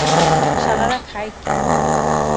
শালারা খায় কী?